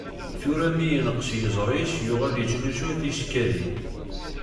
Tura mi yenqes yiẓri-s yuɣal yettlusu tisekkadin.